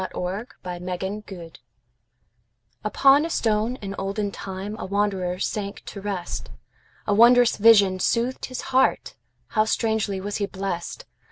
Isaacs Pillow and Stone UPON a stone in olden timeA wanderer sank to rest.A wondrous vision soothed his heartHow strangely was he blessed!